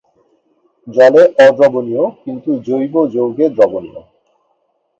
জলে অদ্রবনীয় কিন্তু জৈব যৌগে দ্রবণীয়।